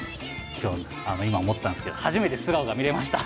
今日今思ったんですけど初めて素顔が見れました。